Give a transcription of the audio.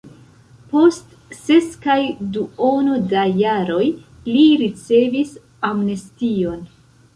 Post ses kaj duono da jaroj li ricevis amnestion.